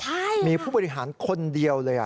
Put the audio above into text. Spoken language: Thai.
ใช่มีผู้บริหารคนเดียวเลย